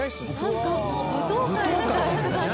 羽田：舞踏会みたいな。